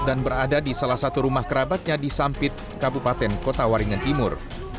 dan berada di salah satu rumah kerabatnya di sampit kabupaten kota waringan timur